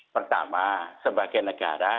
pertama sebagai negara